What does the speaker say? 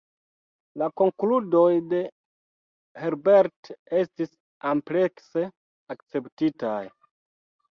La konkludoj de Herbert estis amplekse akceptitaj.